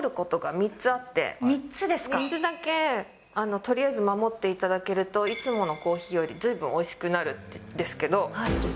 ３つだけとりあえず守っていただけると、いつものコーヒーよりずいぶんおいしくなるんですけど。